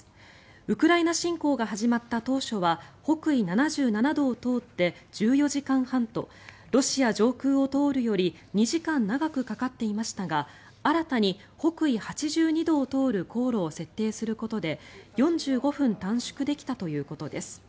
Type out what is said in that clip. ウクライナ侵攻が始まった当初は北緯７７度を通って１４時間半とロシア上空を通るより２時間長くかかっていましたが新たに北緯８２度を通る航路を設定することで４５分短縮できたということです。